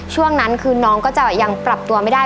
ช่วงนั้นคือน้องก็จะยังปรับตัวไม่ได้